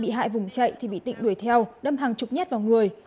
bị hại vùng chạy thì bị tịnh đuổi theo đâm hàng chục nhát vào người